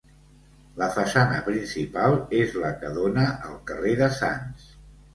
La façana principal és la que dóna al carrer de Sants.